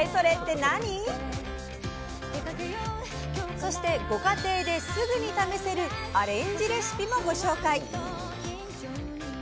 そしてご家庭ですぐに試せるアレンジレシピもご紹介！